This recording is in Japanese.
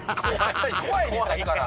怖いねん、さっきから。